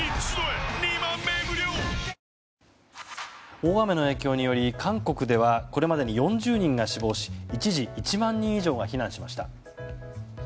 大雨の影響により韓国ではこれまでに４０人が死亡し一時、１万人以上が避難しました。